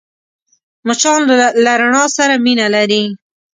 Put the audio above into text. مچان له رڼا سره مینه لري